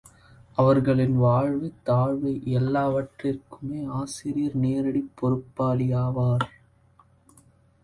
அவர்களின் வாழ்வு, தாழ்வு எல்லாவற்றிற்குமே ஆசிரியர் நேரடிப் பொறுப்பாளியாவார்.